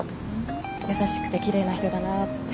優しくて奇麗な人だなって。